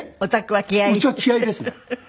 うちは気合ですね。